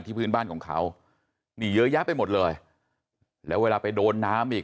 พื้นบ้านของเขานี่เยอะแยะไปหมดเลยแล้วเวลาไปโดนน้ำอีก